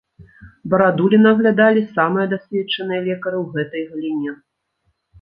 Барадуліна аглядалі самыя дасведчаныя лекары ў гэтай галіне.